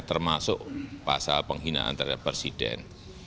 termasuk pasal penghinaan terhadap presiden